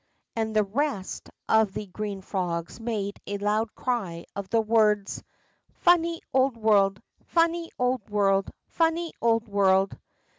And the rest of the green frogs made a loud cry of the words : ^^Funny old world! Funny old world! Funny old world